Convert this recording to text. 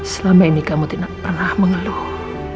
selama ini kamu tidak pernah mengeluh